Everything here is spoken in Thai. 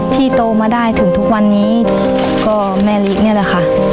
โตมาได้ถึงทุกวันนี้ก็แม่ลินี่แหละค่ะ